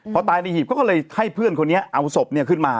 พอตายในหีบเขาก็เลยให้เพื่อนคนนี้เอาศพขึ้นมา